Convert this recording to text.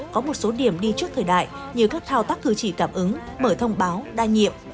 có một số điểm đi trước thời đại như các thao tác cư chỉ cảm ứng mở thông báo đa nhiệm